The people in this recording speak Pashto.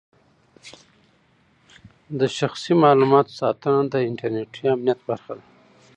د شخصي معلوماتو ساتنه د انټرنېټي امنیت برخه ده.